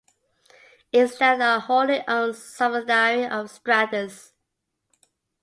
It's now a wholly owned subsidiary of Stratus.